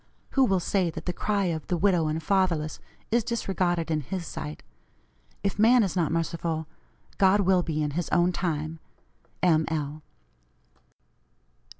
Who will say that the cry of the 'widow and fatherless' is disregarded in His sight! If man is not merciful, God will be in his own time. M. L."